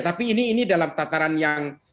tapi ini dalam tataran yang